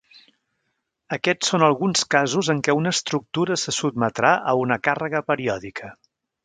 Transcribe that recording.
Aquests són alguns casos en què una estructura se sotmetrà a una càrrega periòdica.